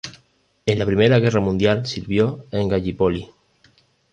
En la primera guerra mundial sirvió en Gallipoli.